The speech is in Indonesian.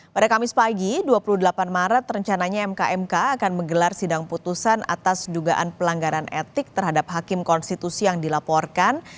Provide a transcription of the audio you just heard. pada kamis pagi dua puluh delapan maret rencananya mkmk akan menggelar sidang putusan atas dugaan pelanggaran etik terhadap hakim konstitusi yang dilaporkan